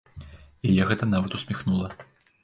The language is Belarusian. Яе гэта нават усміхнула.